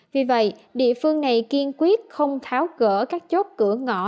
vì vậy địa phương này kiên quyết không tháo gỡ các chốt cửa ngõ